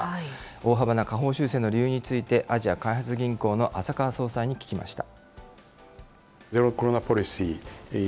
大幅な下方修正の理由について、アジア開発銀行の浅川総裁に聞きました。